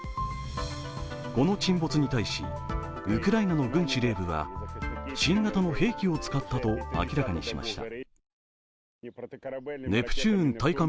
この沈没に対し、ウクライナの軍司令部は新型の兵器を使ったと明らかにしました。